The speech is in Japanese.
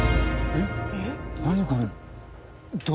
えっ！？